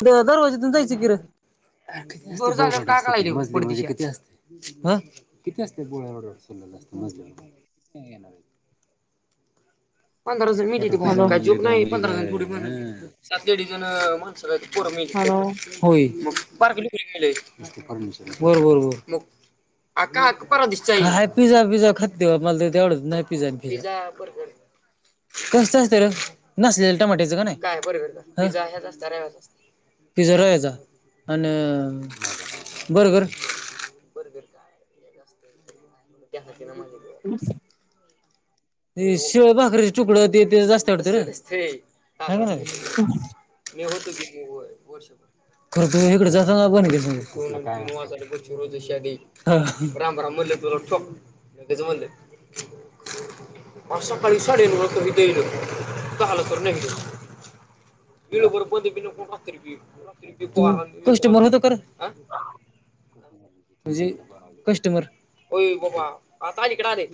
ते दरवाज्याून जायचं किर अस किती असते ना पंध जण मिी हॅलो काहीोक नाही पंधराजण पुढेण सात दडजण माणसं हॅलो हो मगार ब बर मग ह पिझ्झा पिझ्झा खातते मला तेवढच नाही पिझजाि कसत असत र नसलेलं टमाट्याचं का नाही काय बर असतत पिझ्झा राहायचा आणि बर कर बरबेर काय त्या ब ते शिवाय भाकरीे तुकड ते ते जास्त आवडत र मी होतो कि वर्षभर खर तु इकडे जात अ ठकच म्हण म सा काळी साड्यांनूला त देई दे काल तरर नाही देऊ पिल बर कस्मर होत ख तुझी कस्टमर आता अलीकडे आले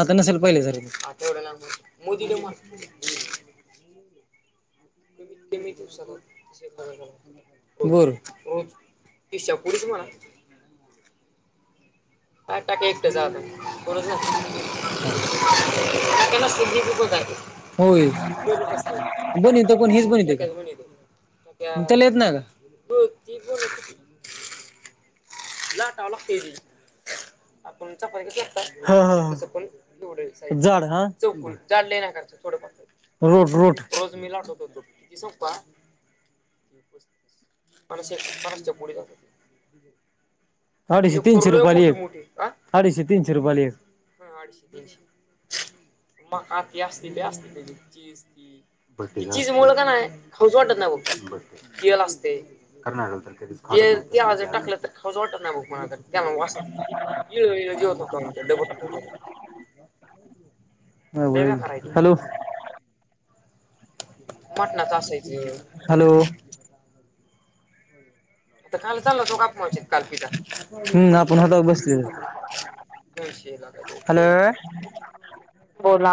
आता नसेल पाहिले स बर तशा पुढचमला ह टक इे जा ना सजीक होय बन पण हेच बनिते का त्याला येत नाही का ला ट अलग केज आपण च चड लका रो रो रोज मतो रोड रोड संपला मणसे मणच्या प अडीचशे तीनशे रुपये ल एक अडीचशे तीनशे रुपये ल एक आठशे तीनशे मका आ ती असस्ती बी असस्ती त्याची चचीज ती त्याची मूळ की नाही हो खाऊच वाटत नाहीत तेल असतय. ते असंच टाकलं तर खाऊच वाटत नाही हो मला. त्या मग वास [unintelligible] अ होय, हॅलो म्हटणाच असायच, हॅलो आ काल चाल तो काप कालि हम् आपण हता बसले. हॅलो बोला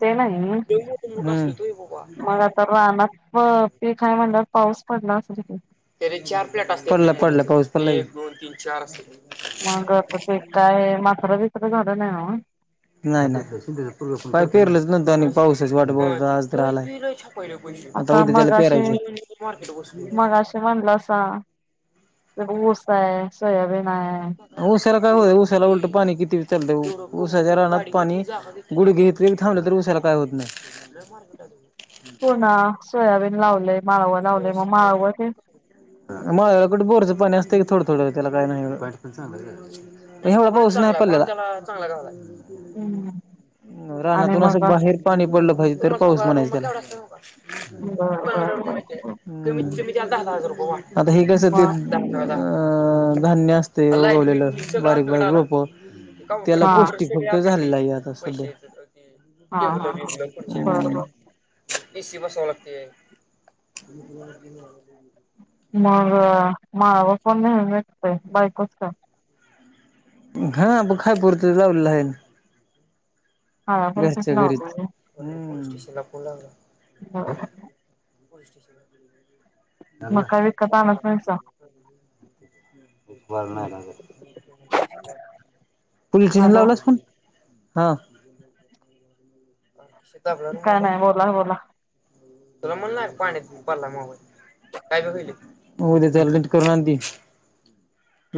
ते नाही हम्म. मग आता रानात पीख हाय म्हणतात पाऊस पडला असंल कि. त चार प्लेट अस पड पडलं कास पड दोन तीन चार असतात. मग ते काय माथरा बितर झालं नाही नव. नाही नाही आज पेरलाच नाही पावसाची वाट बघत होता आज तर आलाय. आता उद्या त्याला पिरायचे मार्केट ते ऊस आहे सोयाबीन आहे. उसा्याला काय होत उसााला उलट पाणी किती ल उसा्याच्या राहत पाणी गुडग्या इतक थांब तर उसाला काय होत नाही. पुना सोयाबीन लावलय. माळवं लावलय मग माळवं ते माळाला कुठं बोरच पाणी असतय की थोडं थोड त्याला काय नाही एवढ यंदा पाऊस नाही पडल्याला आणि रानातून मग असं बर बाहेर पाणी पडलं पाहिजे तर पाऊस म्हणायचं त्याला तू का बर एवढ्यावरणं बर माहितेय. तुम्ही दया दहा दहा हजार रुपये वाटून आता हे कसं मग हो अ धान्य असतय उगवलेलं बारीक बारीक रोप त्याला हा पौष्टिक फक्त झालेला आहे हे आता सध्या. हा टेबल हा बिबल बर हम्म बर ए सी बसवाय लागतोय. मग माळावर पण नेणार आहेत की काय बायकच का? हा खायपुरतेच लावलेलं आहे. खायापुरतीच घरच्या घरीच. लावलय लापून लागला. बर कुठं पोलिस स्टेशनला. मग लागला. काय विकत एकशे बारा. आणत नाहीसा पोलिस स्टेशनला हॅलो लावलास फोन? हं. काय नाही बोला. बोला. तुला म्हणलं नाय पाण्यात पडलाय मोबाईल. काय बघायले? मोबाईल जाऊन नीटकरून आण ती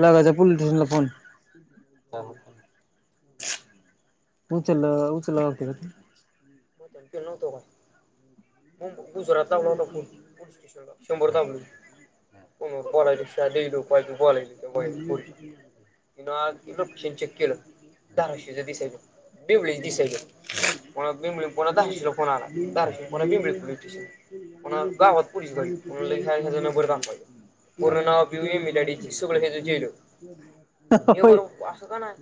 लागायच हाय पोलीस स्टेशनला फोन. उचला उचलाव लागतोय का फोन? म त्यानं केलं नव्हत काय. हुं गुजरातला लावला होता फोन पोलिस स्टेशनला शंभर दाबलोय. फोन वर बोलाय पेक्षा व्हिडिओ कॉल वर बोलय [unintelligible] नाल रुप तेन चेक केलं धारशेच दिसायच. बिंबडी दिसायच बिंबडी पु दहाश कोणाला दहा पु बिंबडी पोलीस स्टेशन पुन्हा गावात पोलीस गाडी कुणाला लई काय झाल ना बर [unintelligible] पूर्ण नाव फिव्ह मिलाडीच सगळं हेज झेल. हो अस का नाही.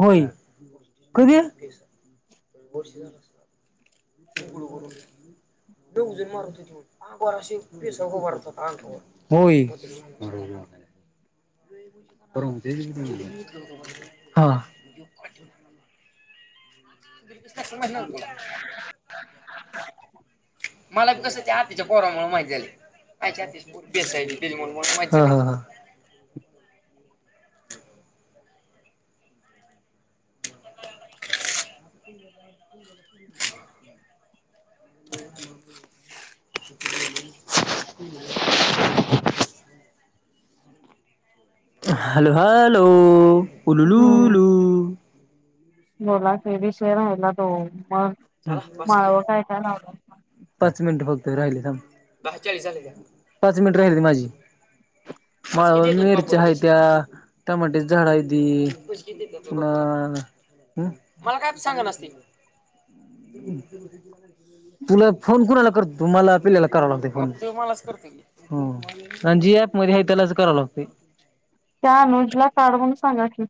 होय कधी, वर्ष झालं आसन. बोलू बोलू दोघंजण मारत हुती म्हण, अंगावर अशी केसांवर उभा राहत हुती, होय. [inaudible] पर मंग.. हा बर ट्रॅक्टर मागितला का तुला? मला कसं त्या आतीच्या पोरामुळे माहित झालय. आमच्या आत्याच्या पोरावर केस आहेती तेच्यामुळे मला माहित झालं... हा.. हा.. हा [unintelligible] [unintelligible] हॅलो हॅलो... उलु लू लू जरा पेरणीच विषय राहिला तो मग माळव काय काय लावलाय? पाच मिनिट फक्त राहिले थांब... दहा चाळीस झाले का? पाच मिनिट राहिल्यात माझी माळव मिरच्या हायत्या, टमाट्याची झाडं हायती,.. मग मला काय सांगनास ते तुला फोन कुणाला करतो तू? मला पिल्याला कराव लागते फोन तुम्हालाच करतो की. ह जी अँप मध्ये हाय तेलाच कराव लागतोय त्या अनुज ला काढ म्हणून सांगा की?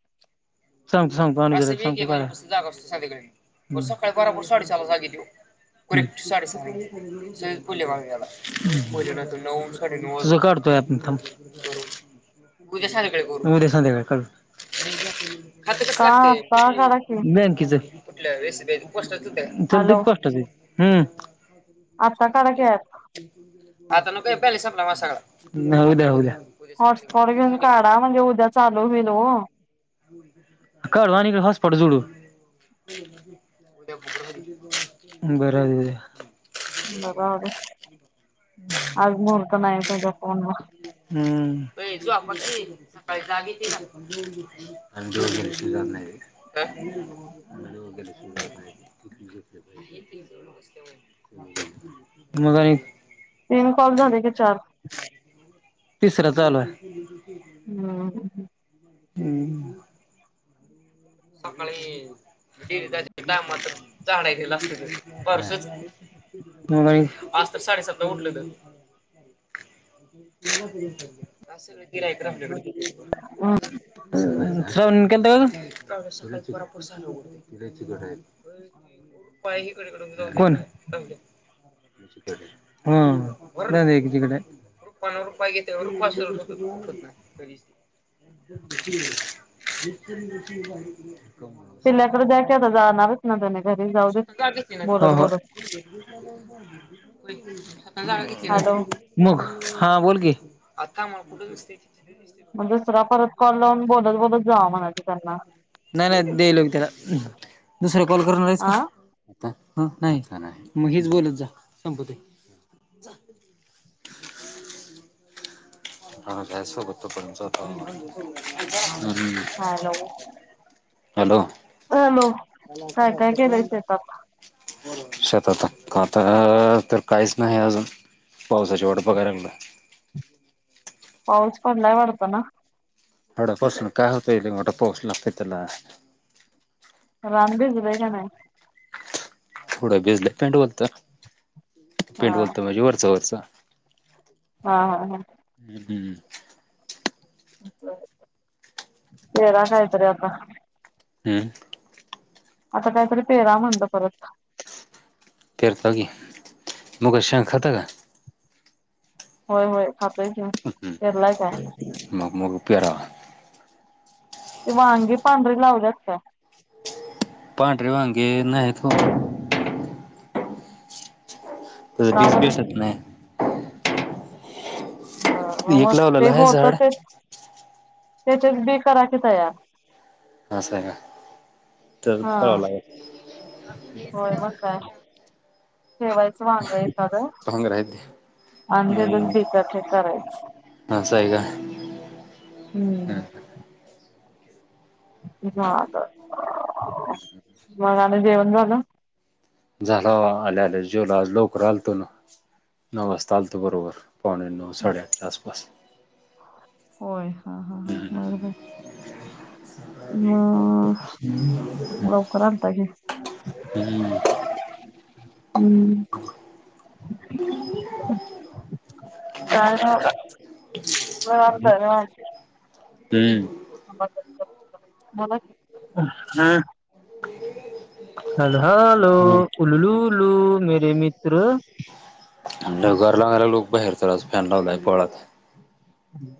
सांगतो, सांगतो अनेकदा सांगतो? सकाळी बराबर साडेचार ला जाग येती. करेक्ट साडे सातला मुले मग नऊ न साडे नऊ या आपुन थांब, उद्या संध्याकाळी करू, उद्या संध्याकाळी क. खातं कसल का लागतय आता काढा म्हजे की बँकेच कुठल्या एस बी आय पोस्टच ल्या चालतंय की हॅलो पोस्टा च हूं. आता काढा की ॲप आता नको, ब्यालेंस संपला माझा सगळा न्हाय ऊद्या ऊद्या. हॉटस्पॉट घेऊन काढा म्हणजे उद्या चालू होईल हो. कडू आन हिकडं हॉटस्पॉट जोडू. बराबर उ बर राहूदे आज म्हुहूर्ता नाही त्याजा फोन ला हम अय झोपा की सकाळी जग येती का? [unintelligible] व [unintelligible] मग आणी. तीन कॉल झाले का चार. तिसरा चालू हाय. हम्. हम्म. हम्म. सकाळी डीरीत जायचय कामच झाडाय गेलं असत परसच. म आज तर साडेसात ला उठलं तर. आज सगळं गीराईक राहुल्या कड दे [unintelligible] पाय हीकडेकडे हूं जाऊ, कोण हाय राहुल्या. [unintelligible] रूपा ना रुपया घेतंय पण पाचशे रुपय खरचत न्हाय कदीच. [unintelligible] पिल्ल्याकडे जाय की आता जा. ह बोलत ह. बोलत आता जागा हॅलो गीतली का मग, हा बोलकी आता आमाला कुठसतय. म दुसरा कॉल परत लाऊन बोलत बोलत जावा म्हणा की त्यांना नाही नाही देईलोग त्याला दुसर कॉल करणार आहेस आ का. नाही का मग हीच बोलत जा संपुदे. ह [unintelligible] हा हाय सोबत तोपर्यंत जातो आमी. हा हॅलो. हॅलो हॅलो काय काय केलय शेतात. शतात आता तर काहीच नाही अजून. पावसाची वाट बागाय लागलोय. पाऊस पडलाय वाडत ना. एवढ्या पावसानं काय होतय लय मोठा पाऊस लागतोय त्याला. रान भिजलंय का नाही. थोडं भिजलंय पेंडवलतय, हा पेंडवलतय म्हणजे वरचा वरच. हा हा हा. हम्म पेरा कायतरी आता. हम. आता कायतरी पेरा म्हणल परत. पेर्ताणी मुगाची शांग खाता का. होय होय खातोय कि केरलाय काय. पेरावं. ते वांगी पांढरी लावल्यात काय. पांढरी वांगे नाहत. का बरं [unintelligible] बर एक मग ते लावलेलं आहे होत्या झाड तच. त्याच्यात बी करा की तयार ह स का तसच हा करावं होय लागलं मग काय ठेवायचं वांग एखादं तंग राहेत आणि त्याच्यात हम्म,, बी करायचं ह, असं आहे का. हम्म झाऽल,, मग आणि जेवण झालं. झाला बघा आल्या आल्या जेवलो आज लवकर आलतो ना नव वाजता आलतो बरोबर, पावणे नव, साडे आठच्या आसपास होय हा हा बरोबर हम् मग ह लवकर आलता की. ह् हम्म हम्म काय नाइ म, निवांत तन बोला की,, हम्. ह् [unintelligible] हॅल, हॅलो उललुलू मेेरे मित्र म्हणजे घर लावगयला लोक बाहेर तर फॅन लावलाय बोळात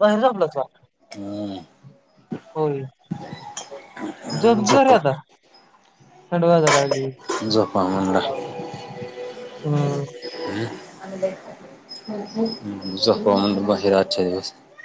बरबलाच [unintelligible] हम्म जोप घर झोपा आता, थंड वाजाय लागली पावनला हम्म झोपाव म्हणलं भाईर आजच्या दिवस